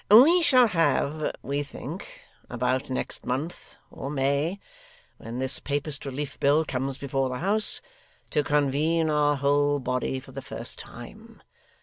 'We shall have, we think, about next month, or May, when this Papist relief bill comes before the house, to convene our whole body for the first time.